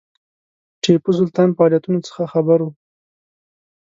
ټیپو سلطان فعالیتونو څخه خبر وو.